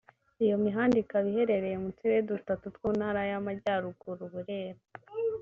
Iyo mihanda ikaba iherereye mu turere dutatu two mu Ntara y’Amajyaruguru (Burera